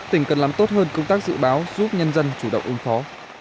tỉnh cần làm tốt hơn công tác dự báo giúp nhân dân chủ động ứng phó